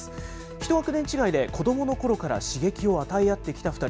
１学年違いで、子どものころから刺激を与え合ってきた２人。